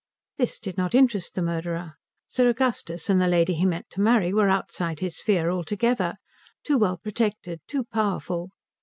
This did not interest the murderer. Sir Augustus and the lady he meant to marry were outside his sphere altogether; too well protected, too powerful.